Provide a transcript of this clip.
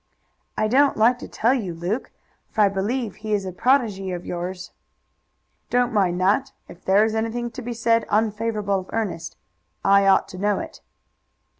"I don't like to tell you, Luke, for I believe he is a protégé of yours." "Don't mind that. If there is anything to be said unfavorable of Ernest I ought to know it."